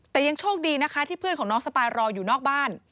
แต่ยังโชคดีนะคะที่เพื่อนของน้องสปายรออยู่นอกบ้าน